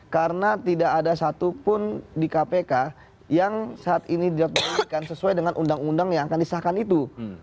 karena tidak ada satupun di kpk yang saat ini dilakukan sesuai dengan undang undang yang akan disahkan itu